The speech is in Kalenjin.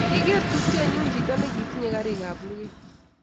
Kiker tupchenyu chito nekitinyei karik ab lugeet